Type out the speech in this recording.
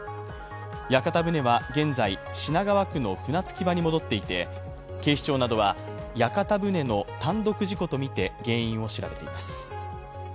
屋形船は現在、品川区の船着き場に戻っていて警視庁などは屋形船の単独事故とみて原因を調べています。